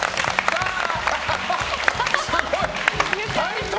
すごい。